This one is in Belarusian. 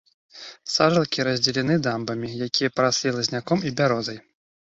Сажалкі раздзелены дамбамі, якія параслі лазняком і бярозай.